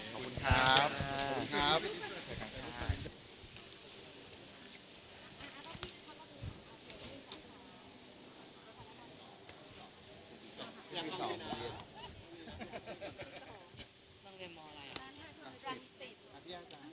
ขอบคุณครับขอบคุณครับ